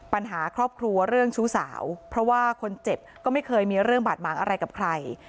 ปัญหาครอบครัวเรื่องชู้สาวเพราะว่าคนเจ็บก็ไม่เคยมีเรื่องบาดหมางอะไรกับใคร